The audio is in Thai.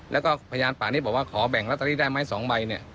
แล้วก็พยานป่านี้บอกว่าขอแบ่งลอตเตอรี่ได้ไหม๒ใบเนี่ย